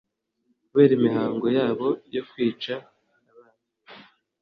kubera imihango yabo yo kwica abana